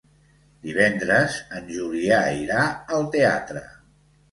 Divendres en Julià irà al teatre.